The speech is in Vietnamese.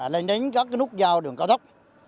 lên đến các cái nút giao đường cao tốc